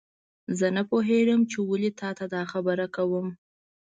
زه نه پوهیږم چې ولې تا ته دا خبره کوم